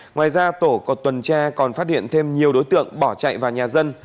ngoài ra tổ còn tuần tra còn phát hiện thêm nhiều đối tượng bỏ chạy vào nhà dân